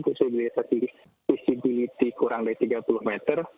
posibilitas kursi kurang dari tiga puluh meter